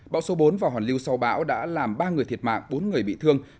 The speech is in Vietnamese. bão số bốn và hoàn lưu sau bão đã làm ba người thiệt mạng bốn người bị thương